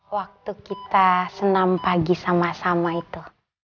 waktu kita senam pagi sama sama itu